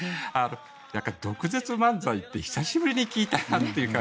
毒舌漫才って久しぶりに聞いたなという感じが。